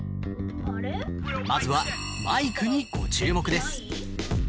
まずは、マイクにご注目です。